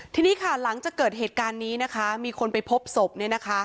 ทีนี้ค่ะหลังจากเกิดเหตุการณ์นี้นะคะมีคนไปพบศพเนี่ยนะคะ